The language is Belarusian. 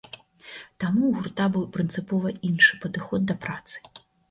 Таму ў гурта быў прынцыпова іншы падыход да працы.